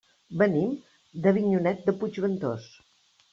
Venim d'Avinyonet de Puigventós.